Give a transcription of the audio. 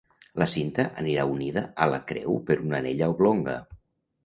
La cinta anirà unida a la creu per una anella oblonga.